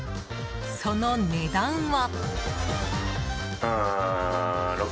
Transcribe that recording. その値段は。